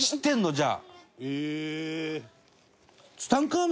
じゃあ！